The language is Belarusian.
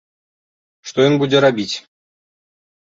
Што ён будзе рабіць?